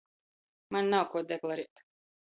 Maņ nav kuo deklarēt.